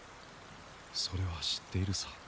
それは知っているさ。